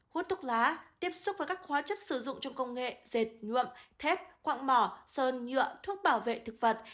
hút thuốc lá tiếp xúc với các hóa chất sử dụng trong công nghệ dệt nhuộm thép quạng mỏ sơn nhựa thuốc bảo vệ thực vật